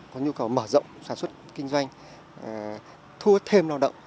có nhu cầu mở rộng sản xuất kinh doanh thu hút thêm lao động